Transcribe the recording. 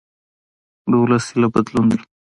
د ولس هیله بدلون دی